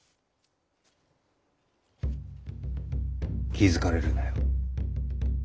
気付かれるなよ。